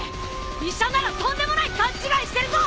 医者ならとんでもない勘違いしてるぞ！